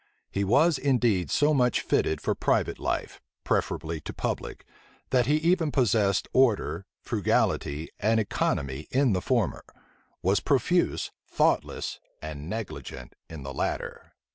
He was indeed so much fitted for private life, preferably to public, that he even possessed order, frugality, and economy in the former; was profuse, thoughtless, and negligent in the latter.